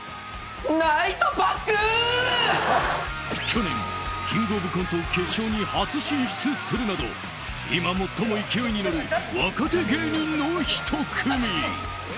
去年、「キングオブコント」決勝に初進出するなど今最も勢いに乗る若気芸人の１組。